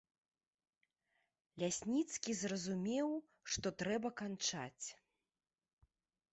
Лясніцкі зразумеў, што трэба канчаць.